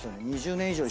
２０年以上。